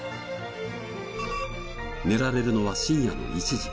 寝られるのは深夜の１時。